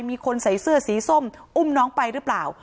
มีคนใส่เสื้อสีส้มอุ้มน้องไปหรือเปล่า